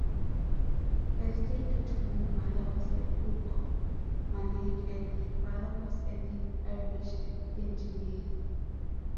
Her stay-at-home mother was a "book maniac" and her father was an Irish engineer.